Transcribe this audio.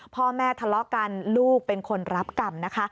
พ่อแม่ทะเลาะกันลูกเป็นคนรับกรรมนะคะ